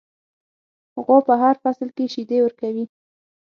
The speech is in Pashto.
غوا په هر فصل کې شیدې ورکوي.